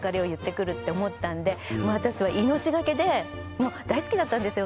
私は命懸けでもう大好きだったんですよ